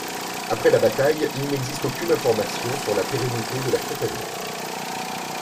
Après la bataille, il n'existe aucune information sur la pérennité de la Compagnie.